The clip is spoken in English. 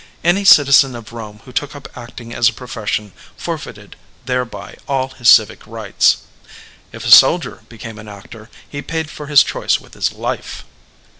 Any citizen of Rome who took up act ing as a profession forfeited thereby all his civic rights ; if a soldier became an actor he paid for his choice with his life.